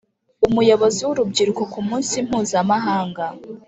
Umuyobozi wurubyiruko ku munsi Mpuzamahanga